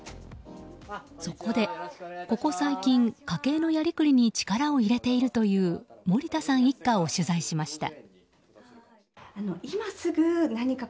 そこで、ここ最近家計のやりくりに力を入れているという森田さん一家を取材しました。